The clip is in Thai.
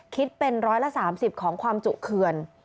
คิดเป็นร้อยละ๓๐ของความจุเขื่อน